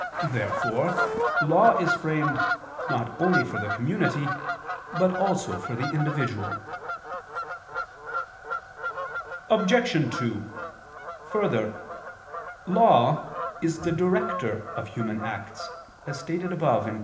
Therefore law is framed not only for the community, but also for the individual. Obj. 2: Further, law is the director of human acts, as stated above (Q.